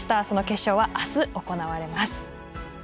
その決勝は、あす行われます。